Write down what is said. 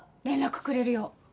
連絡くれるよう。